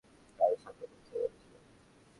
কার সাথে কথা বলেছ?